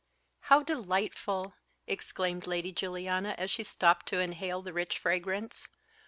"How delightful!" exclaimed Lady Juliana, as she stopped to inhale the rich fragrance.